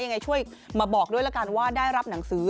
ยังไงช่วยมาบอกด้วยละกันว่าได้รับหนังสือ